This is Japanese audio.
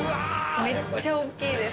めっちゃ大っきいです。